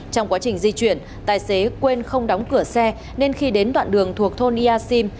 trong quá trình di chuyển tài xế quên không đóng cửa xe nên khi đến đoạn đường thuộc thôn ia sim